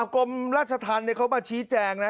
กรมราชธรรมเขามาชี้แจงนะ